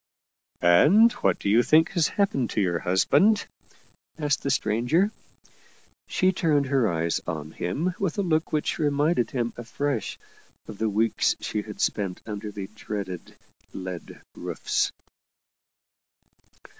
" And what do you think has happened to your hus band ?" asked the stranger. She turned her eyes on him with a look which reminded him afresh of the weeks she had spent under the dreaded " lead roofs."